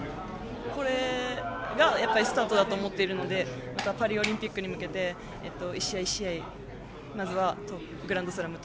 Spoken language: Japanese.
これがスタートだと思っているのでパリオリンピックに向けて１試合１試合まずはグランドスラム